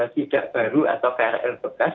tidak baru atau krl bekas